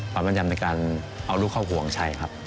ประมาณแย่มในการเอารูดเข้าข่อของภาคชายครับ